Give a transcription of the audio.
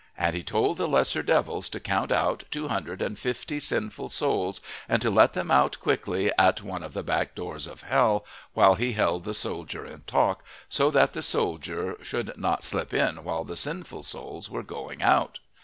And he told the lesser devils to count out two hundred and fifty sinful souls and to let them out quickly at one of the back doors of hell, while he held the soldier in talk, so that the soldier should not slip in while the sinful souls were going out.